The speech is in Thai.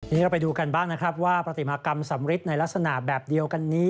นี่เราไปดูกันบ้างนะครับว่าปฏิมากรรมสำริดในลักษณะแบบเดียวกันนี้